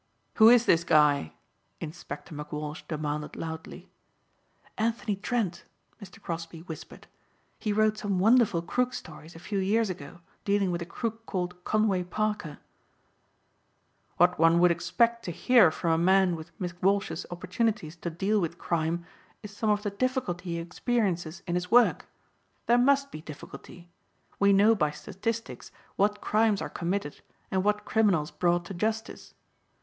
"Who is this guy?" Inspector McWalsh demanded loudly. "Anthony Trent," Mr. Crosbeigh whispered. "He wrote some wonderful crook stories a few years ago dealing with a crook called Conway Parker." "What one would expect to hear from a man with McWalsh's opportunities to deal with crime is some of the difficulty he experiences in his work. There must be difficulty. We know by statistics what crimes are committed and what criminals brought to justice.